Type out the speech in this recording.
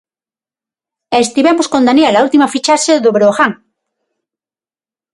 Estivemos con Daniel, a última fichaxe do Breogán.